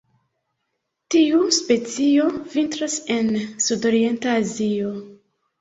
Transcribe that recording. Tiu specio vintras en sudorienta Azio.